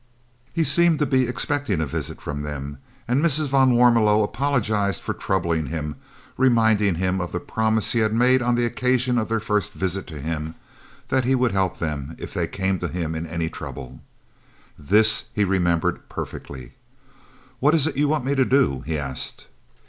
He seemed to be expecting a visit from them, and Mrs. van Warmelo apologised for troubling him, reminding him of the promise he had made on the occasion of their very first visit to him, that he would help them if they came to him in any trouble. This he remembered perfectly. "What is it you want me to do?" he asked.